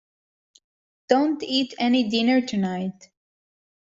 Don't eat any dinner tonight.